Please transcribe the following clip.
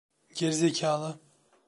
Geri zekalı.